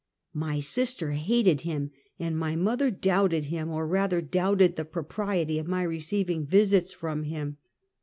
My sister hated him, and my mother doubted him, or rather doubted the propriety of my receiving visits from him.